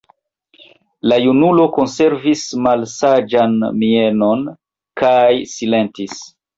La junulo konservis malsaĝan mienon kaj silentis.